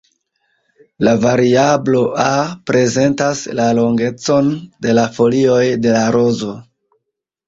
La variablo "a" prezentas la longecon de la folioj de la rozo.